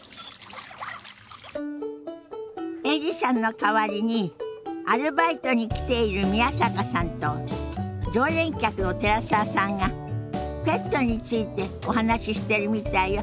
エリさんの代わりにアルバイトに来ている宮坂さんと常連客の寺澤さんがペットについてお話ししてるみたいよ。